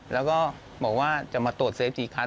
แล้วก็บอกว่าจะมาตรวจเซฟกี่คัน